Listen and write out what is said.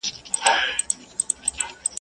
لوټه ايږدي پښه پر ايږدي.